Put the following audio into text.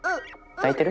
泣いてる？